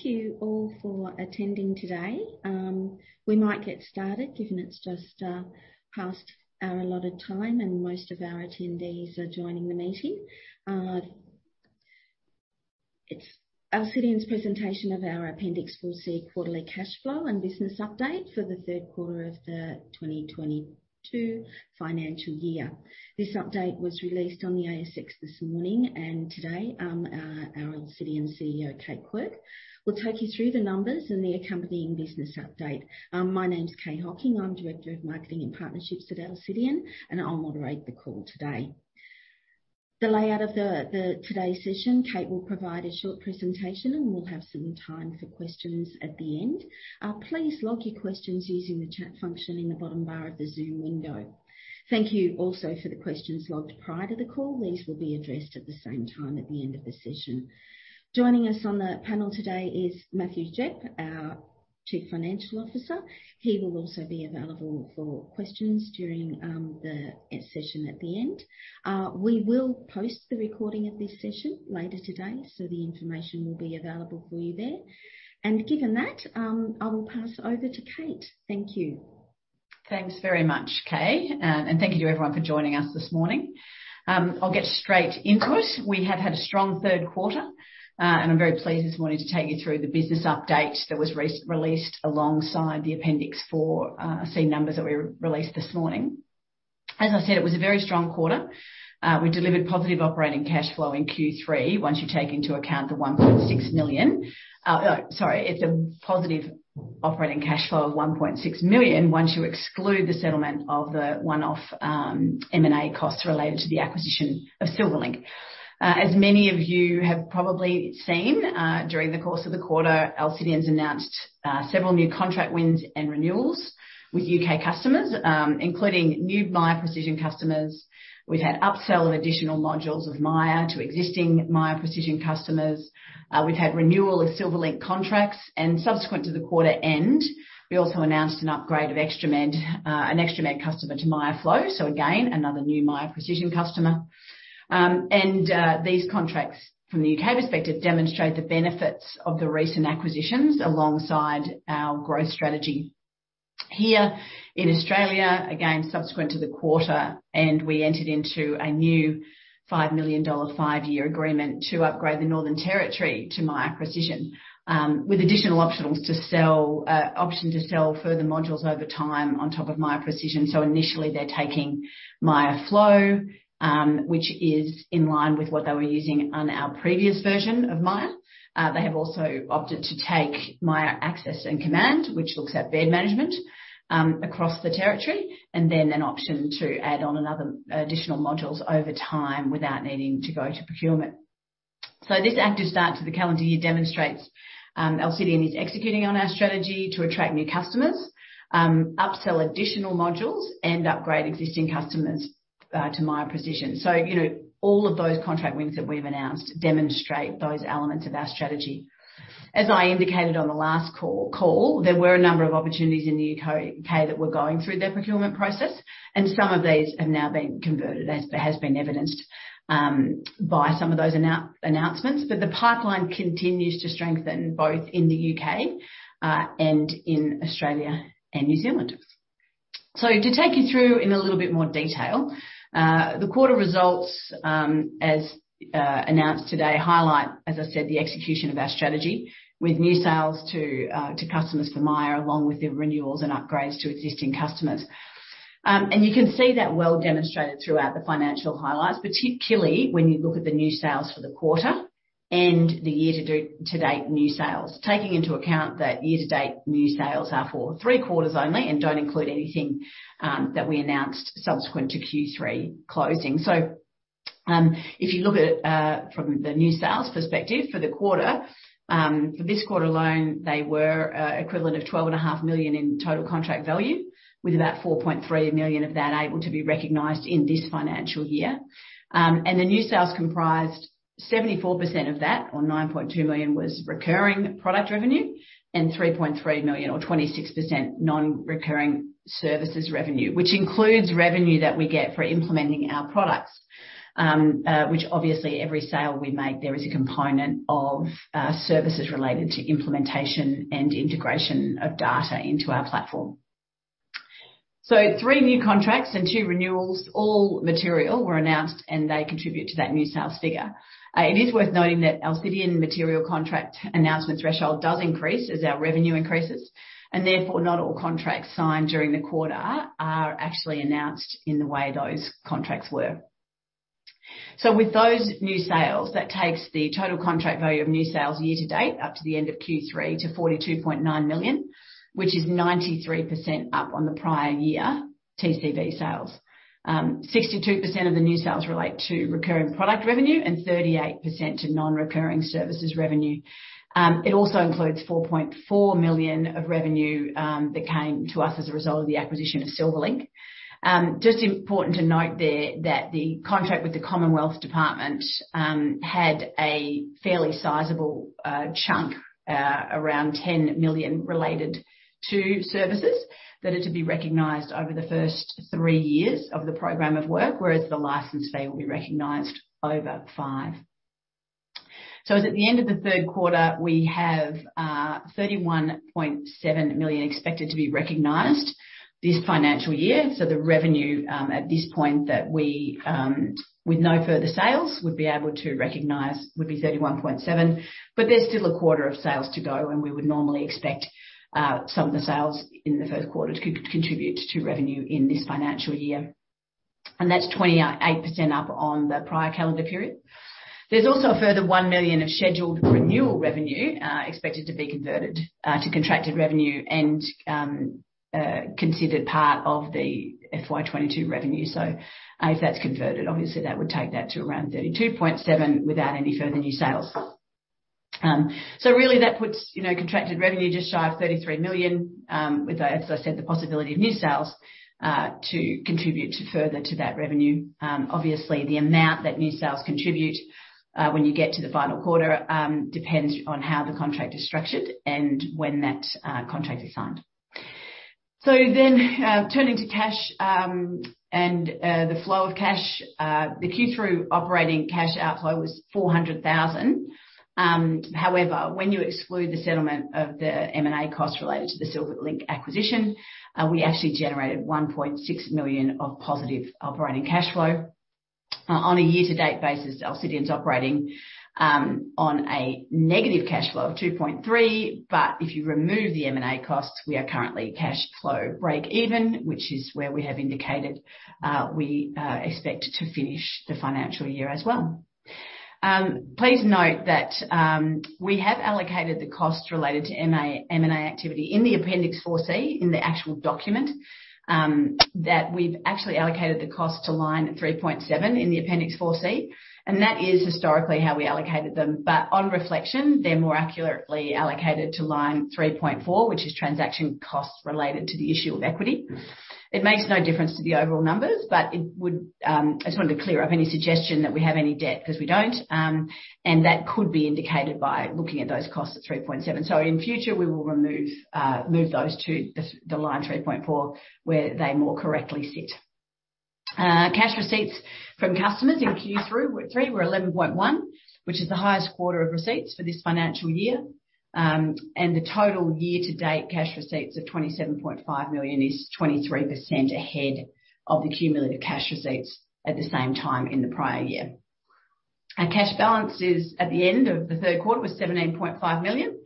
Thank you all for attending today. We might get started, given it's just past our allotted time, and most of our attendees are joining the meeting. It's Alcidion's presentation of our Appendix 4C Quarterly Cash Flow and Business Update for the Third Quarter of the 2022 Financial Year. This update was released on the ASX this morning, and today, our Alcidion CEO, Kate Quirke, will take you through the numbers and the accompanying business update. My name is Kaye Hocking. I'm Director of Marketing and Partnerships at Alcidion, and I'll moderate the call today. The layout of today's session. Kate will provide a short presentation, and we'll have some time for questions at the end. Please log your questions using the chat function in the bottom bar of the Zoom window. Thank you also for the questions logged prior to the call. These will be addressed at the same time at the end of the session. Joining us on the panel today is Matthew Gepp, our Chief Financial Officer. He will also be available for questions during the session at the end. We will post the recording of this session later today, so the information will be available for you there. Given that, I will pass over to Kate. Thank you. Thanks very much, Kay. And thank you to everyone for joining us this morning. I'll get straight into it. We have had a strong third quarter, and I'm very pleased this morning to take you through the business update that was re-released alongside the Appendix 4C numbers that we released this morning. As I said, it was a very strong quarter. We delivered positive operating cash flow in Q3 once you take into account the 1.6 million. Sorry, it's a positive operating cash flow of 1.6 million once you exclude the settlement of the one-off M&A costs related to the acquisition of Silverlink. As many of you have probably seen, during the course of the quarter, Alcidion's announced several new contract wins and renewals with UK customers, including new Miya Precision customers. We've had upsell of additional modules of Miya to existing Miya Precision customers. We've had renewal of Silverlink contracts. Subsequent to the quarter end, we also announced an upgrade of ExtraMed, an ExtraMed customer to Miya Flow. Again, another new Miya Precision customer. These contracts from the U.K. perspective demonstrate the benefits of the recent acquisitions alongside our growth strategy. Here in Australia, again, subsequent to the quarter, we entered into a new 5 million dollar five-year agreement to upgrade the Northern Territory to Miya Precision, with additional options to sell further modules over time on top of Miya Precision. Initially, they're taking Miya Flow, which is in line with what they were using on our previous version of Miya. They have also opted to take Miya Access and Command, which looks at bed management across the territory, and then an option to add on another additional modules over time without needing to go to procurement. This active start to the calendar year demonstrates Alcidion is executing on our strategy to attract new customers, upsell additional modules and upgrade existing customers to Miya Precision. You know, all of those contract wins that we've announced demonstrate those elements of our strategy. As I indicated on the last call, there were a number of opportunities in the U.K. that were going through their procurement process, and some of these have now been converted, as has been evidenced by some of those announcements. The pipeline continues to strengthen both in the U.K. and in Australia and New Zealand. To take you through in a little bit more detail, the quarter results, as announced today, highlight, as I said, the execution of our strategy with new sales to customers for Miya along with their renewals and upgrades to existing customers. You can see that well demonstrated throughout the financial highlights, particularly when you look at the new sales for the quarter and the year to date new sales, taking into account that year to date new sales are for three quarters only and don't include anything that we announced subsequent to Q3 closing. If you look at from the new sales perspective for the quarter, for this quarter alone, they were equivalent of 12.5 million in total contract value, with about 4.3 million of that able to be recognized in this financial year. The new sales comprised 74% of that, or 9.2 million was recurring product revenue and 3.3 million or 26% non-recurring services revenue, which includes revenue that we get for implementing our products, which obviously every sale we make there is a component of, services related to implementation and integration of data into our platform. Three new contracts and two renewals, all material, were announced, and they contribute to that new sales figure. It is worth noting that Alcidion material contract announcement threshold does increase as our revenue increases, and therefore, not all contracts signed during the quarter are actually announced in the way those contracts were. With those new sales, that takes the total contract value of new sales year to date up to the end of Q3 to 42.9 million, which is 93% up on the prior year TCV sales. 62% of the new sales relate to recurring product revenue and 38% to non-recurring services revenue. It also includes 4.4 million of revenue that came to us as a result of the acquisition of Silverlink. Just important to note there that the contract with the Commonwealth department had a fairly sizable chunk around 10 million related to services that are to be recognized over the first three years of the program of work, whereas the license fee will be recognized over five. As at the end of the third quarter, we have 31.7 million expected to be recognized this financial year. The revenue at this point that we with no further sales would be able to recognize would be 31.7 million. But there's still a quarter of sales to go, and we would normally expect some of the sales in the first quarter to contribute to revenue in this financial year. That's 28% up on the prior calendar period. There's also a further 1 million of scheduled renewal revenue expected to be converted to contracted revenue and considered part of the FY 2022 revenue. If that's converted, obviously that would take that to around 32.7 million without any further new sales. Really that puts, you know, contracted revenue just shy of 33 million with the, as I said, the possibility of new sales to contribute further to that revenue. Obviously, the amount that new sales contribute when you get to the final quarter depends on how the contract is structured and when that contract is signed. Turning to cash and the flow of cash. The Q3 operating cash outflow was 400,000. However, when you exclude the settlement of the M&A cost related to the Silverlink acquisition, we actually generated 1.6 million of positive operating cash flow. On a year-to-date basis, Alcidion's operating on a negative cash flow of 2.3. If you remove the M&A costs, we are currently cash flow break even, which is where we have indicated we expect to finish the financial year as well. Please note that we have allocated the costs related to M&A activity in the Appendix 4C in the actual document. That we've actually allocated the cost to line 3.7 in the Appendix 4C, and that is historically how we allocated them. On reflection, they're more accurately allocated to line 3.4, which is transaction costs related to the issue of equity. It makes no difference to the overall numbers, but it would, I just wanted to clear up any suggestion that we have any debt, 'cause we don't. That could be indicated by looking at those costs at 3.7. In future, we will move those to the line 3.4, where they more correctly sit. Cash receipts from customers in Q3 were 11.1, which is the highest quarter of receipts for this financial year. The total year-to-date cash receipts of 27.5 million is 23% ahead of the cumulative cash receipts at the same time in the prior year. Our cash balance at the end of the third quarter was 17.5 million.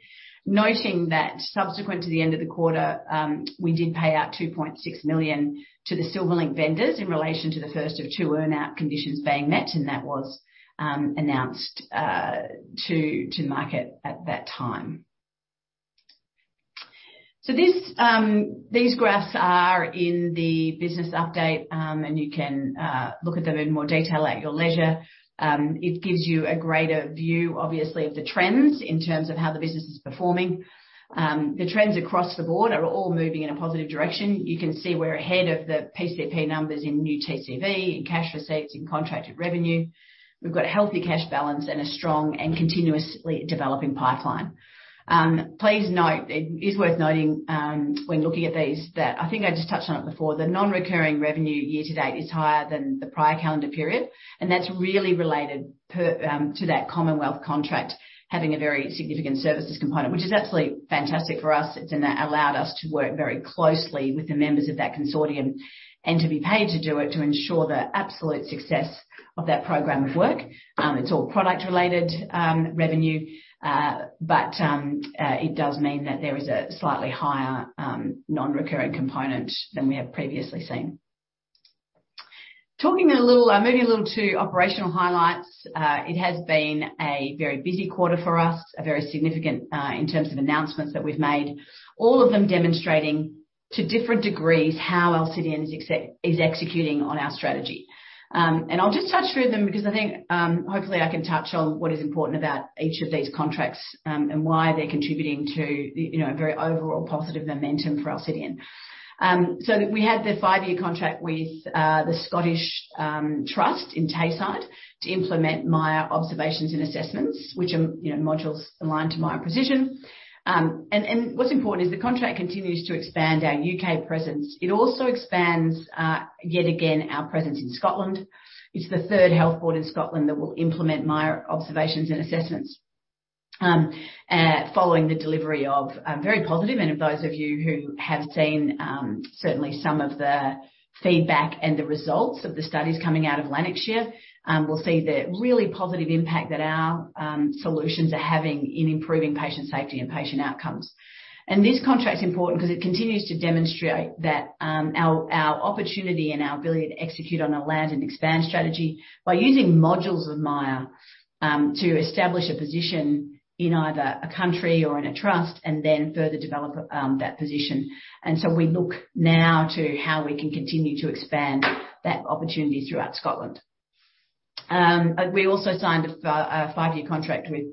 Noting that subsequent to the end of the quarter, we did pay out 2.6 million to the Silverlink vendors in relation to the first of two earn-out conditions being met. That was announced to market at that time. This, these graphs are in the business update. And you can look at them in more detail at your leisure. It gives you a greater view, obviously, of the trends in terms of how the business is performing. The trends across the board are all moving in a positive direction. You can see we're ahead of the PCP numbers in new TCV, in cash receipts, in contracted revenue. We've got a healthy cash balance and a strong and continuously developing pipeline. Please note, it is worth noting, when looking at these that I think I just touched on it before. The non-recurring revenue year to date is higher than the prior calendar period, and that's really related to that Commonwealth contract having a very significant services component, which is absolutely fantastic for us. It's allowed us to work very closely with the members of that consortium and to be paid to do it, to ensure the absolute success of that program of work. It's all product related revenue. But it does mean that there is a slightly higher non-recurring component than we have previously seen. Moving a little to operational highlights. It has been a very busy quarter for us, a very significant in terms of announcements that we've made. All of them demonstrating to different degrees how Alcidion is executing on our strategy. I'll just touch through them because I think, hopefully, I can touch on what is important about each of these contracts, and why they're contributing to, you know, a very overall positive momentum for Alcidion. We had the five-year contract with NHS Tayside to implement Miya Observations and Assessments, which are, you know, modules aligned to Miya Precision. What's important is the contract continues to expand our U.K. presence. It also expands yet again our presence in Scotland. It's the third health board in Scotland that will implement Miya Observations and Assessments following the delivery of very positive. Of those of you who have seen, certainly some of the feedback and the results of the studies coming out of Lanarkshire, will see the really positive impact that our solutions are having in improving patient safety and patient outcomes. This contract's important 'cause it continues to demonstrate that, our opportunity and our ability to execute on a land and expand strategy by using modules of Miya, to establish a position in either a country or in a trust and then further develop, that position. We look now to how we can continue to expand that opportunity throughout Scotland. We also signed a five-year contract with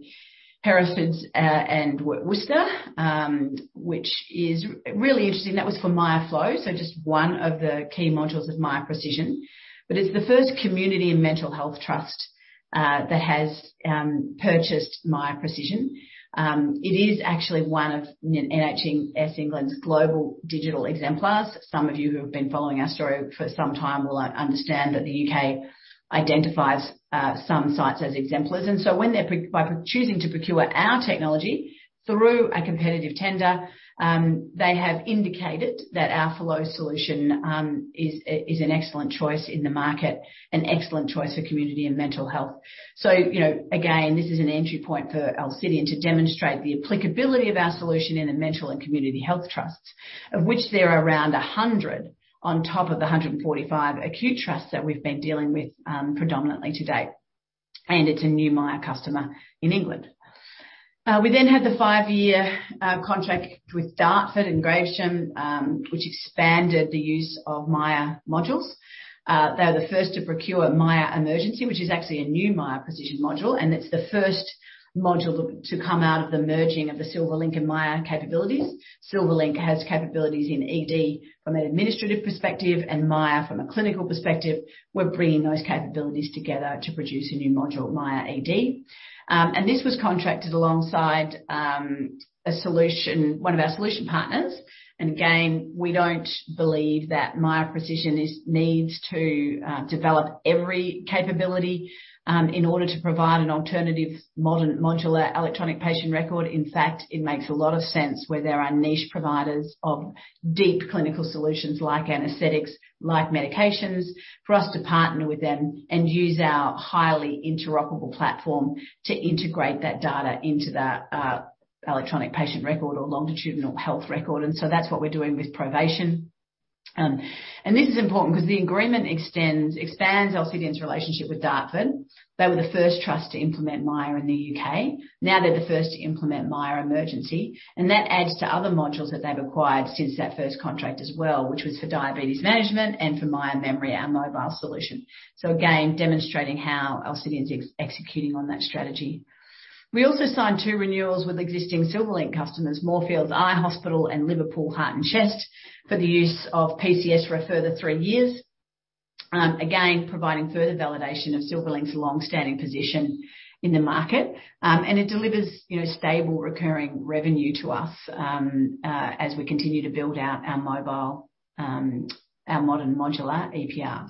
Herefordshire and Worcestershire, which is really interesting. That was for Miya Flow. Just one of the key modules of Miya Precision. It's the first community and mental health trust that has purchased Miya Precision. It is actually one of NHS England's Global Digital Exemplars. Some of you who have been following our story for some time will understand that the U.K. identifies some sites as exemplars. When they're by choosing to procure our technology through a competitive tender, they have indicated that our flow solution is an excellent choice in the market, an excellent choice for community and mental health. You know, again, this is an entry point for Alcidion to demonstrate the applicability of our solution in the mental and community health trusts, of which there are around 100 on top of the 145 acute trusts that we've been dealing with, predominantly to date. It's a new Miya customer in England. We then had the five-year contract with Dartford and Gravesham, which expanded the use of Miya modules. They are the first to procure Miya Emergency, which is actually a new Miya Precision module, and it's the first module to come out of the merging of the Silverlink and Miya capabilities. Silverlink has capabilities in ED from an administrative perspective and Miya from a clinical perspective. We're bringing those capabilities together to produce a new module, Miya ED. This was contracted alongside one of our solution partners. Again, we don't believe that Miya Precision needs to develop every capability in order to provide an alternative modern modular electronic patient record. In fact, it makes a lot of sense where there are niche providers of deep clinical solutions like anesthetics, like medications, for us to partner with them and use our highly interoperable platform to integrate that data into the electronic patient record or longitudinal health record. That's what we're doing with Provation. This is important because the agreement expands Alcidion's relationship with Dartford. They were the first trust to implement Miya in the U.K. Now they're the first to implement Miya Emergency, and that adds to other modules that they've acquired since that first contract as well, which was for diabetes management and for Miya Memory, our mobile solution. Again, demonstrating how Alcidion is executing on that strategy. We also signed two renewals with existing Silverlink customers, Moorfields Eye Hospital and Liverpool Heart and Chest, for the use of PCS for a further three years. Again, providing further validation of Silverlink's long-standing position in the market. It delivers, you know, stable recurring revenue to us, as we continue to build out our mobile, our modern modular EPR.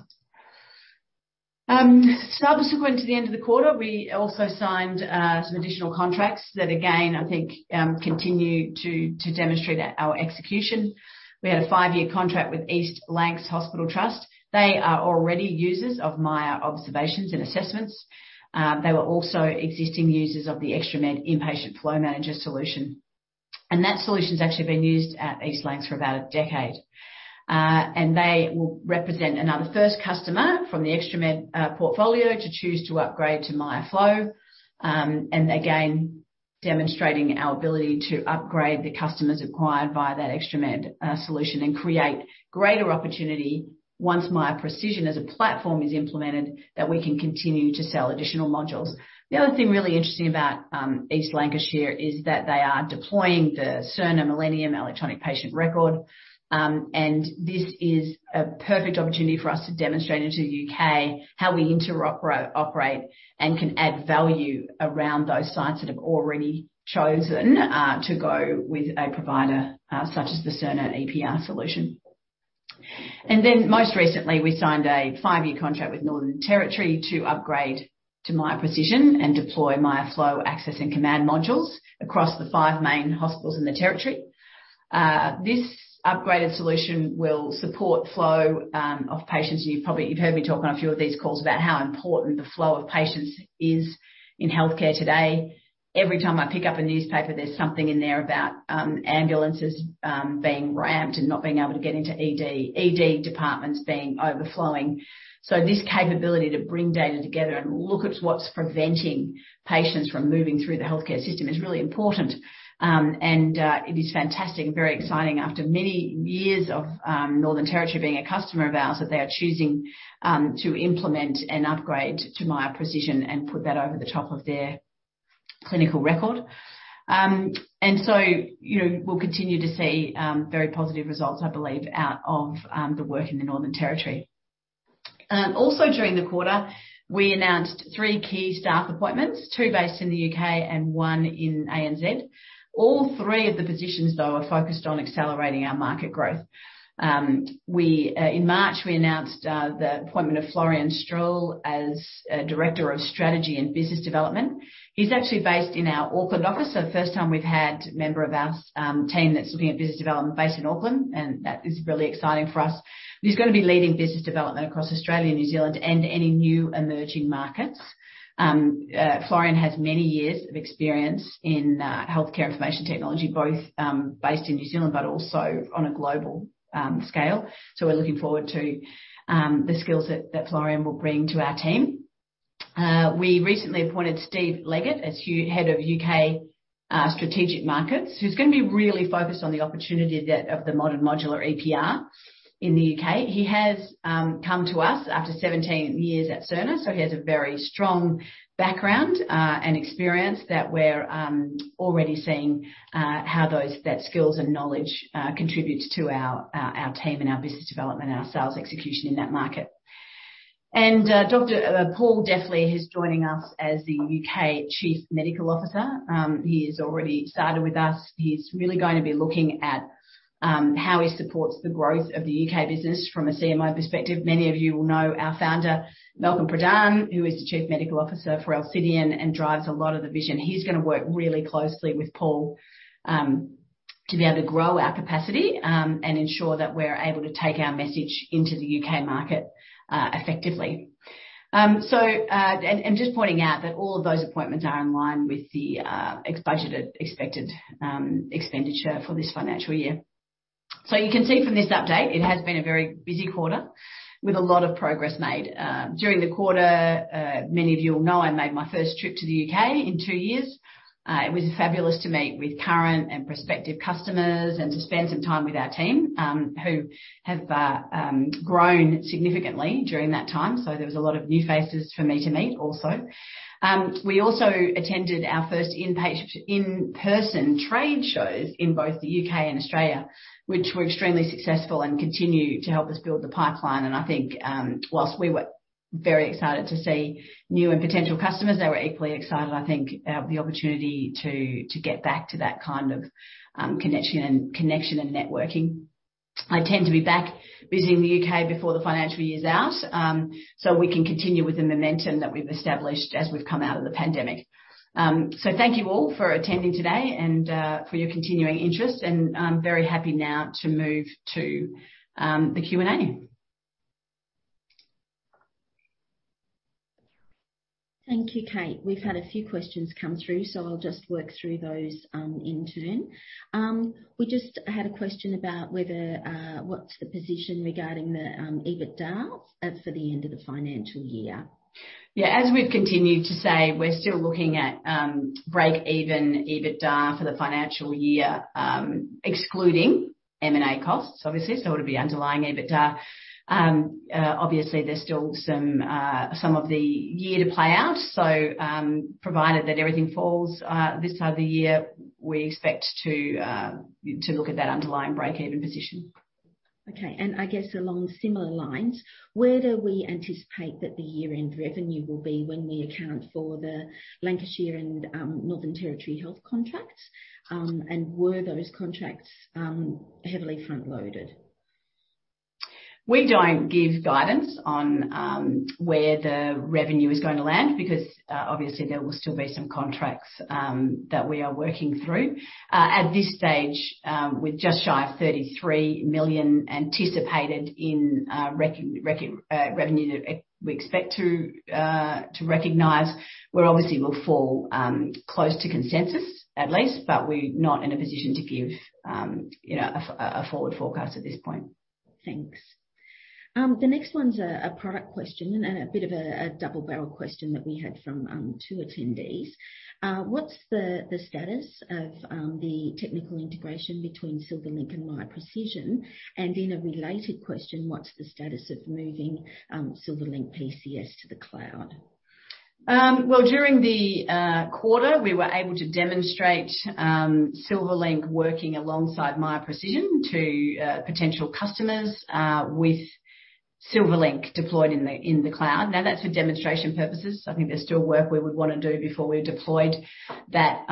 Subsequent to the end of the quarter, we also signed some additional contracts that again, I think, continue to demonstrate our execution. We had a five-year contract with East Lancashire Hospitals NHS Trust. They are already users of Miya Observations and Assessments. They were also existing users of the ExtraMed Inpatient Flow Manager solution, and that solution's actually been used at East Lancashire Hospitals NHS Trust for about a decade. They will represent another first customer from the ExtraMed portfolio to choose to upgrade to Miya Flow. Again, demonstrating our ability to upgrade the customers acquired via that ExtraMed solution and create greater opportunity once Miya Precision as a platform is implemented, that we can continue to sell additional modules. The other thing really interesting about East Lancashire is that they are deploying the Cerner Millennium electronic patient record. This is a perfect opportunity for us to demonstrate in the U.K. how we interoperate and can add value around those sites that have already chosen to go with a provider such as the Cerner EPR solution. Then most recently, we signed a five-year contract with Northern Territory to upgrade to Miya Precision and deploy Miya Flow, Access and Command modules across the five main hospitals in the territory. This upgraded solution will support flow of patients. You've heard me talk on a few of these calls about how important the flow of patients is in healthcare today. Every time I pick up a newspaper, there's something in there about ambulances being ramped and not being able to get into ED departments being overflowing. This capability to bring data together and look at what's preventing patients from moving through the healthcare system is really important. It is fantastic and very exciting after many years of Northern Territory being a customer of ours, that they are choosing to implement an upgrade to Miya Precision and put that over the top of their clinical record. You know, we'll continue to see very positive results, I believe, out of the work in the Northern Territory. Also during the quarter, we announced three key staff appointments, two based in the U.K. and one in ANZ. All three of the positions, though, are focused on accelerating our market growth. In March, we announced the appointment of Florian Stroehle as Director of Strategy and Business Development. He's actually based in our Auckland office, so the first time we've had a member of our team that's looking at business development based in Auckland, and that is really exciting for us. He's gonna be leading business development across Australia, New Zealand, and any new emerging markets. Florian has many years of experience in healthcare information technology, both based in New Zealand, but also on a global scale. We're looking forward to the skills that Florian will bring to our team. We recently appointed Steve Leggett as Head of UK Strategic Markets. He's gonna be really focused on the opportunity of the modern modular EPR in the U.K. He has come to us after 17 years at Cerner, so he has a very strong background and experience that we're already seeing how that skills and knowledge contributes to our team and our business development and our sales execution in that market. Dr. Paul Deffley is joining us as the U.K. Chief Medical Officer. He has already started with us. He's really gonna be looking at how he supports the growth of the U.K. business from a CMO perspective. Many of you will know our founder, Malcolm Pradhan, who is the Chief Medical Officer for Alcidion and drives a lot of the vision. He's gonna work really closely with Paul to be able to grow our capacity and ensure that we're able to take our message into the U.K. Market effectively. Just pointing out that all of those appointments are in line with the expected budgeted expenditure for this financial year. You can see from this update, it has been a very busy quarter with a lot of progress made. During the quarter, many of you will know I made my first trip to the U.K. in two years. It was fabulous to meet with current and prospective customers and to spend some time with our team, who have grown significantly during that time, so there was a lot of new faces for me to meet also. We also attended our first in-person trade shows in both the U.K. and Australia, which were extremely successful and continue to help us build the pipeline. I think, whilst we were very excited to see new and potential customers, they were equally excited, I think, the opportunity to get back to that kind of connection and networking. I tend to be back visiting the U.K. before the financial year is out, so we can continue with the momentum that we've established as we've come out of the pandemic. Thank you all for attending today and for your continuing interest. I'm very happy now to move to the Q&A. Thank you, Kate. We've had a few questions come through, so I'll just work through those in turn. We just had a question about whether what's the position regarding the EBITDA as for the end of the financial year? Yeah, as we've continued to say, we're still looking at break even EBITDA for the financial year, excluding M&A costs, obviously. It would be underlying EBITDA. Obviously, there's still some of the year to play out. Provided that everything falls this side of the year, we expect to look at that underlying break-even position. Okay. I guess along similar lines, where do we anticipate that the year-end revenue will be when we account for the Lancashire and Northern Territory health contracts? Were those contracts heavily front-loaded? We don't give guidance on where the revenue is gonna land because obviously there will still be some contracts that we are working through. At this stage with just shy of 33 million anticipated in revenue that we expect to recognize we're obviously will fall close to consensus at least but we're not in a position to give you know a forward forecast at this point. Thanks. The next one's a product question and a bit of a double-barrel question that we had from two attendees. What's the status of the technical integration between Silverlink and Miya Precision? And in a related question, what's the status of moving Silverlink PCS to the cloud? Well, during the quarter, we were able to demonstrate Silverlink working alongside Miya Precision to potential customers with Silverlink deployed in the cloud. Now, that's for demonstration purposes. I think there's still work we would wanna do before we deployed that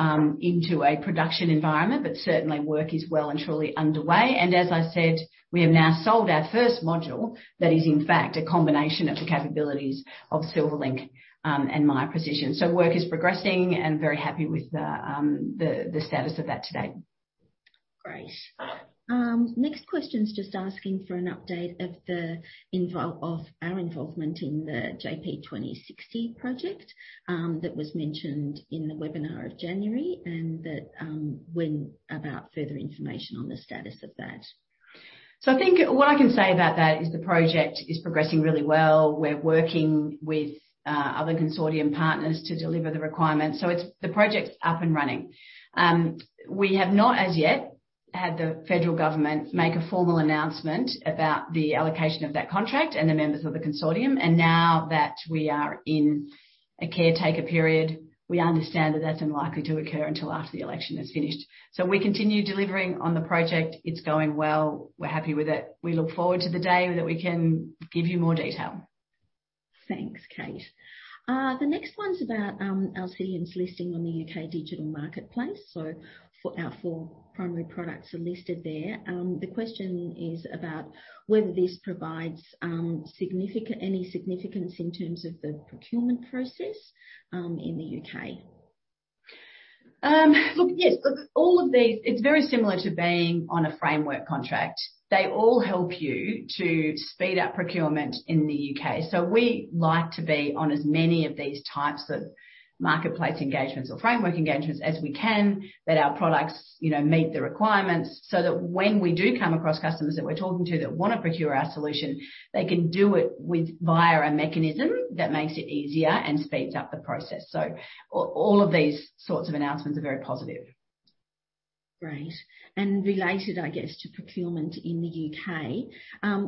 into a production environment, but certainly work is well and truly underway. As I said, we have now sold our first module that is in fact a combination of the capabilities of Silverlink and Miya Precision. Work is progressing and very happy with the status of that today. Great. Next question's just asking for an update of our involvement in the JP2060 project that was mentioned in the webinar in January and what about further information on the status of that. I think what I can say about that is the project is progressing really well. We're working with other consortium partners to deliver the requirements. The project's up and running. We have not as yet had the federal government make a formal announcement about the allocation of that contract and the members of the consortium. Now that we are in a caretaker period, we understand that that's unlikely to occur until after the election is finished. We continue delivering on the project. It's going well. We're happy with it. We look forward to the day that we can give you more detail. Thanks, Kate. The next one's about Alcidion's listing on the U.K. Digital Marketplace. Our four primary products are listed there. The question is about whether this provides any significance in terms of the procurement process in the U.K. Look, yes. Look, all of these, it's very similar to being on a framework contract. They all help you to speed up procurement in the U.K. We like to be on as many of these types of marketplace engagements or framework engagements as we can, that our products, you know, meet the requirements so that when we do come across customers that wanna procure our solution, they can do it with via a mechanism that makes it easier and speeds up the process. All of these sorts of announcements are very positive. Great. Related, I guess, to procurement in the U.K.,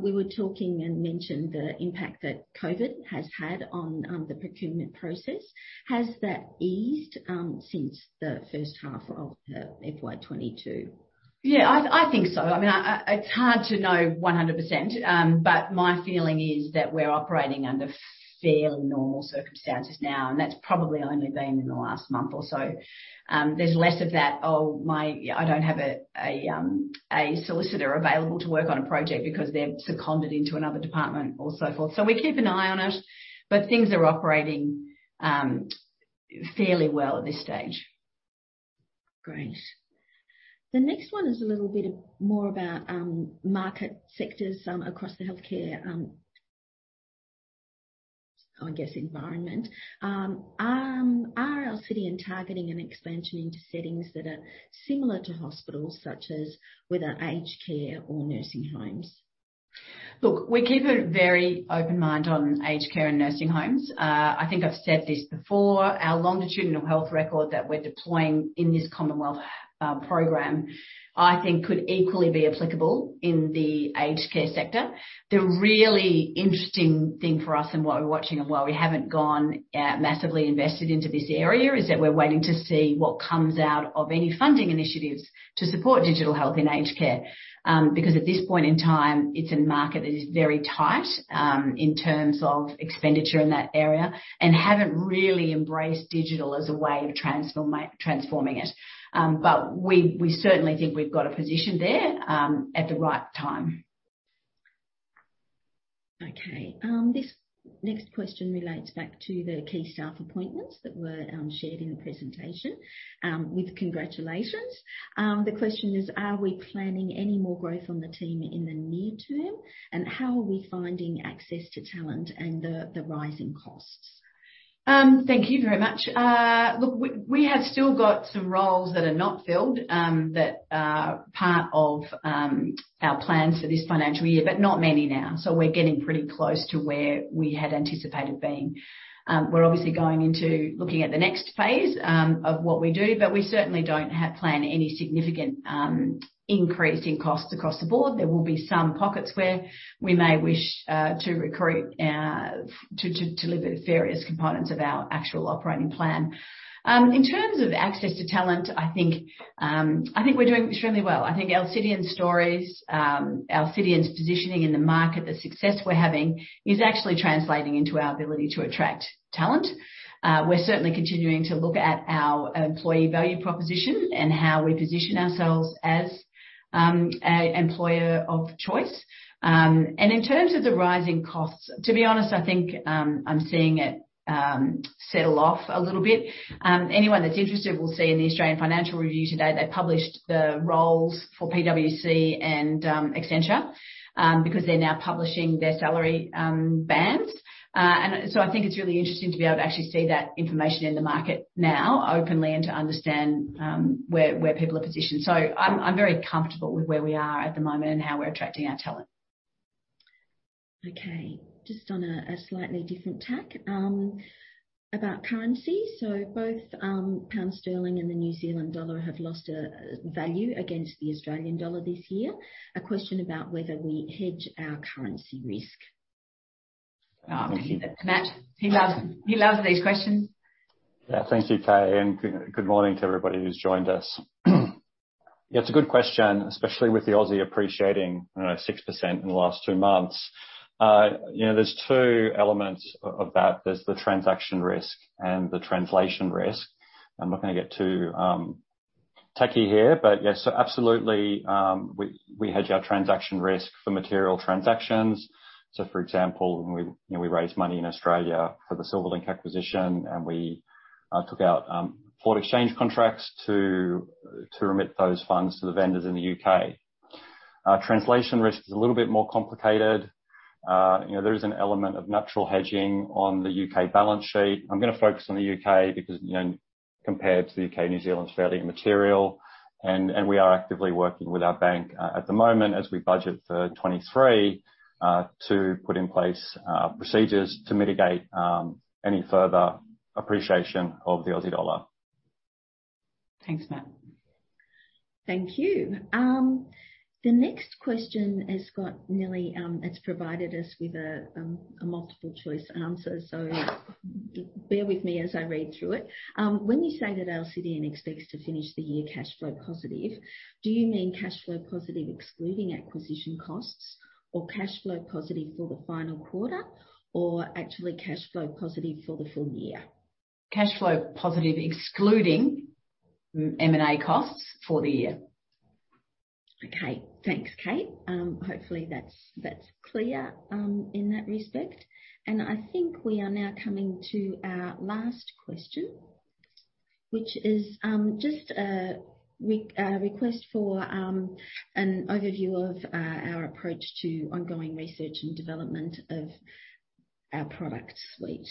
we were talking and mentioned the impact that COVID has had on the procurement process. Has that eased since the first half of the FY 2022? Yeah, I think so. I mean, it's hard to know 100%. My feeling is that we're operating under fairly normal circumstances now, and that's probably only been in the last month or so. There's less of that, "Oh, my, I don't have a solicitor available to work on a project because they're seconded into another department or so forth." We keep an eye on it, but things are operating fairly well at this stage. Great. The next one is a little bit more about market sectors across the healthcare, I guess, environment. Are Alcidion targeting an expansion into settings that are similar to hospitals such as whether aged care or nursing homes? Look, we keep a very open mind on aged care and nursing homes. I think I've said this before, our longitudinal health record that we're deploying in this Commonwealth program, I think could equally be applicable in the aged care sector. The really interesting thing for us and what we're watching and why we haven't gone massively invested into this area is that we're waiting to see what comes out of any funding initiatives to support digital health in aged care. Because at this point in time, it's a market that is very tight in terms of expenditure in that area and haven't really embraced digital as a way of transforming it. We certainly think we've got a position there at the right time. Okay. This next question relates back to the key staff appointments that were shared in the presentation with congratulations. The question is, are we planning any more growth on the team in the near term? How are we finding access to talent and the rising costs? Thank you very much. Look, we have still got some roles that are not filled, that are part of our plans for this financial year, but not many now. We're getting pretty close to where we had anticipated being. We're obviously going into looking at the next phase of what we do, but we certainly don't have planned any significant increase in costs across the board. There will be some pockets where we may wish to recruit to deliver the various components of our actual operating plan. In terms of access to talent, I think we're doing extremely well. I think Alcidion's stories, Alcidion's positioning in the market, the success we're having, is actually translating into our ability to attract talent. We're certainly continuing to look at our employee value proposition and how we position ourselves as an employer of choice. In terms of the rising costs, to be honest, I think I'm seeing it level off a little bit. Anyone that's interested will see in the Australian Financial Review today. They published the rolls for PwC and Accenture because they're now publishing their salary bands. I think it's really interesting to be able to actually see that information in the market now openly and to understand where people are positioned. I'm very comfortable with where we are at the moment and how we're attracting our talent. Okay. Just on a slightly different tack, about currency. Both pound sterling and the New Zealand dollar have lost value against the Australian dollar this year. A question about whether we hedge our currency risk. I'll give that to Matt. He loves these questions. Yeah. Thank you, Kate, and good morning to everybody who's joined us. Yeah, it's a good question, especially with the Aussie appreciating, I don't know, 6% in the last two months. You know, there's two elements of that. There's the transaction risk and the translation risk. I'm not gonna get too techy here, but yes, absolutely, we hedge our transaction risk for material transactions. For example, when we you know raised money in Australia for the Silverlink acquisition, and we took out foreign exchange contracts to remit those funds to the vendors in the U.K. Translation risk is a little bit more complicated. You know, there is an element of natural hedging on the U.K. balance sheet. I'm gonna focus on the U.K. because, you know, compared to the U.K., New Zealand is fairly immaterial. We are actively working with our bank at the moment as we budget for 2023 to put in place procedures to mitigate any further appreciation of the Aussie dollar. Thanks, Matt. Thank you. The next question, it's provided us with a multiple-choice answer, so bear with me as I read through it. When you say that Alcidion expects to finish the year cash flow positive, do you mean cash flow positive excluding acquisition costs or cash flow positive for the final quarter or actually cash flow positive for the full year? Cash flow positive excluding M&A costs for the year. Okay. Thanks, Kate. Hopefully that's clear in that respect. I think we are now coming to our last question, which is just a request for an overview of our approach to ongoing research and development of our product suite.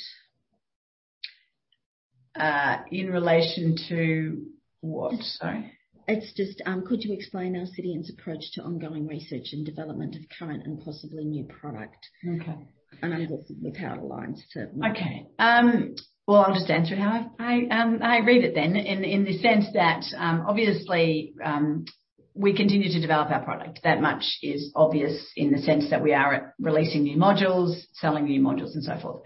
In relation to what? Sorry. It's just, could you explain Alcidion's approach to ongoing research and development of current and possibly new product? Okay. I'm guessing the power lines, certainly. Okay. Well, I'll just answer it how I read it then in the sense that, obviously, we continue to develop our product. That much is obvious in the sense that we are releasing new modules, selling new modules, and so forth.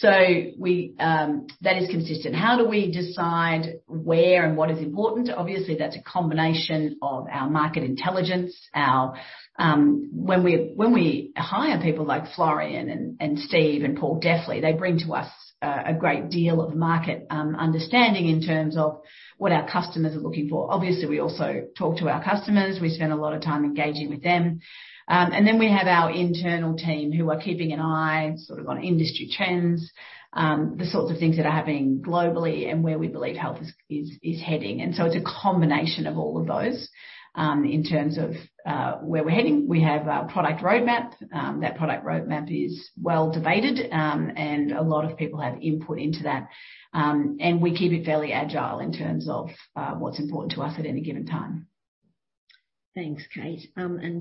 That is consistent. How do we decide where and what is important? Obviously, that's a combination of our market intelligence, when we hire people like Florian and Steve and Paul Deffley, they bring to us a great deal of market understanding in terms of what our customers are looking for. Obviously, we also talk to our customers. We spend a lot of time engaging with them. We have our internal team who are keeping an eye sort of on industry trends, the sorts of things that are happening globally and where we believe health is heading. It's a combination of all of those in terms of where we're heading. We have our product roadmap. That product roadmap is well debated, and a lot of people have input into that. We keep it fairly agile in terms of what's important to us at any given time. Thanks, Kate.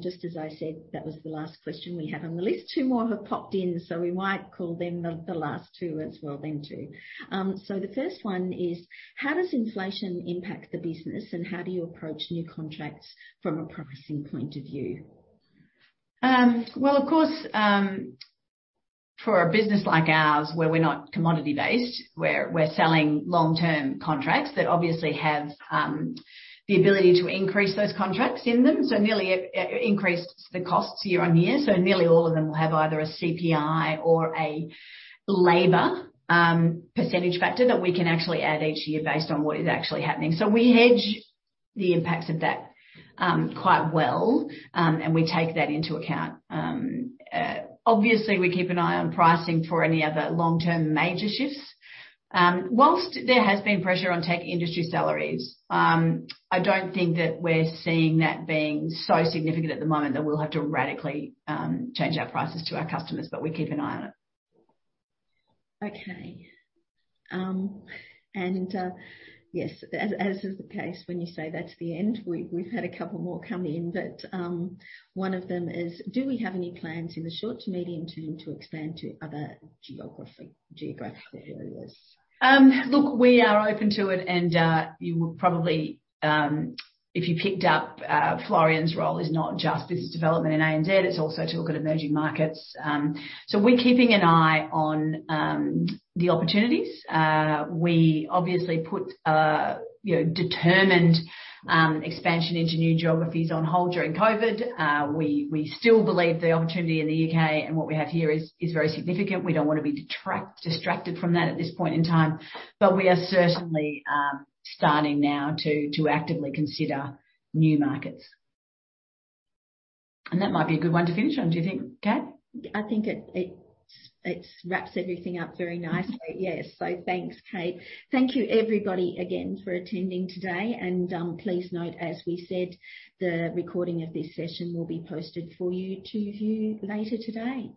Just as I said, that was the last question we have on the list. Two more have popped in, so we might call them the last two as well then too. The first one is: how does inflation impact the business, and how do you approach new contracts from a pricing point of view? Well, of course, for a business like ours, where we're not commodity-based, where we're selling long-term contracts that obviously have the ability to increase those contracts in them, increase the costs year on year, so nearly all of them will have either a CPI or a labor percentage factor that we can actually add each year based on what is actually happening. We hedge the impacts of that quite well, and we take that into account. Obviously, we keep an eye on pricing for any other long-term major shifts. While there has been pressure on tech industry salaries, I don't think that we're seeing that being so significant at the moment that we'll have to radically change our prices to our customers, but we keep an eye on it. Okay. yes, as is the case when you say that's the end, we've had a couple more come in. One of them is: Do we have any plans in the short to medium term to expand to other geographical areas? Look, we are open to it, and you will probably, if you picked up, Florian's role is not just business development in ANZ, it's also to look at emerging markets. So we're keeping an eye on the opportunities. We obviously put you know determined expansion into new geographies on hold during COVID. We still believe the opportunity in the U.K. and what we have here is very significant. We don't wanna be distracted from that at this point in time. But we are certainly starting now to actively consider new markets. That might be a good one to finish on, do you think, Kaye? I think it wraps everything up very nicely. Yes. Thanks, Kate. Thank you everybody again for attending today. Please note, as we said, the recording of this session will be posted for you to view later today.